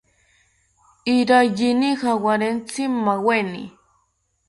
Iraiyini jawarentzi maaweni